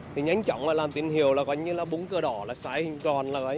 thì nhanh chóng làm tình hiệu là búng cờ đỏ sái hình tròn